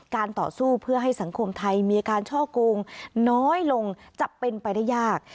ต่อสู้เพื่อให้สังคมไทยมีอาการช่อกงน้อยลงจะเป็นไปได้ยาก